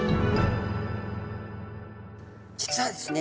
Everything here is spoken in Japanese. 実はですね。